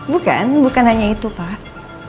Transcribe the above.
bukan bukan hanya itu pak